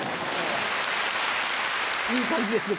いい感じですね。